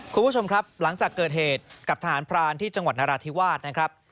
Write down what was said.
คุณผู้ชมครับหลังจากเกิดเหตุกับทหารพรานที่จังหวัดนราธิวาสนะครับ